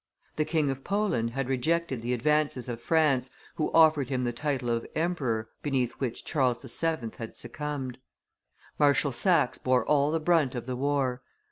The King of Poland had rejected the advances of France, who offered him the title of emperor, beneath which Charles VII. had succumbed. Marshal Saxe bore all the brunt of the war.